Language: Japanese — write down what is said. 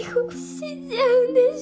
死んじゃうんでしょ？